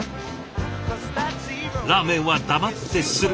ラーメンは黙ってすする。